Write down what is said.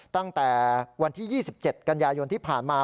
ตั้งแต่วันที่๒๗กันยายนที่ผ่านมา